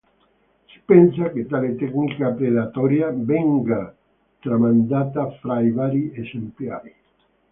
Si pensa che tale tecnica predatoria venga tramandata fra i vari esemplari.